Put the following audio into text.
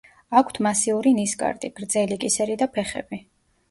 აქვთ მასიური ნისკარტი, გრძელი კისერი და ფეხები.